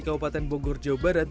kabupaten bogor jawa barat